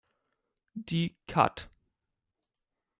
Die kath.